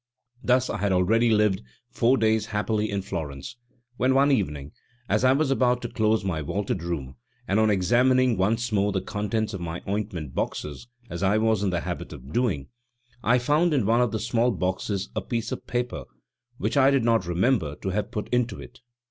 Thus I had already lived four days happily in Florence, when one evening, as I was about to close my vaulted room, and on examining once more the contents of my ointment boxes, as I was in the habit of doing, I found in one of the small boxes a piece of paper, which I did not remember to have put into it.